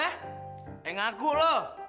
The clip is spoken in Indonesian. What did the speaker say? hah eh ngaku lo